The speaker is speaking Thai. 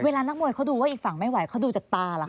นักมวยเขาดูว่าอีกฝั่งไม่ไหวเขาดูจากตาเหรอค